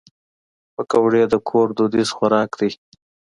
پکورې د کور دودیز خوراک دی